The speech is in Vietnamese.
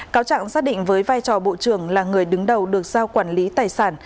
cáo trạng xác định với vai trò bộ trưởng là người đứng đầu được giao quản lý tài sản